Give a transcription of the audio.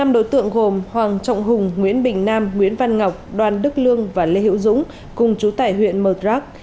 năm đối tượng gồm hoàng trọng hùng nguyễn bình nam nguyễn văn ngọc đoàn đức lương và lê hữu dũng cùng chú tải huyện mờ đắc